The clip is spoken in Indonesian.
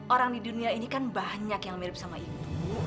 orang di dunia ini kan banyak yang mirip sama ibu